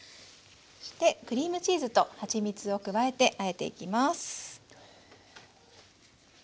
そしてクリームチーズとはちみちを加えてあえていきます。